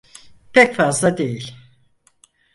Pek fazla değil.